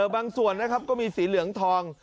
บางส่วนนะครับก็มีสีเหลืองทอง